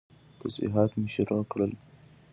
تسبيحات مې شروع کړل.